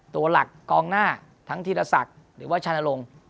ตัวหลักกองหน้าทั้งธีรศักดิ์หรือว่าชานรงค์